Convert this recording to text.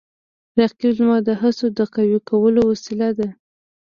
رقیب زما د هڅو د قوي کولو وسیله ده